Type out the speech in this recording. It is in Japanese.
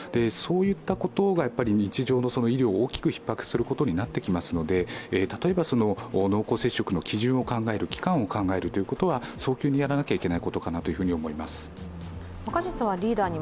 そういったことが日常の医療を大きくひっ迫することになってきますので例えば、濃厚接触の基準、期間を考えるというのは早急にやらなきゃいけないことかと思います。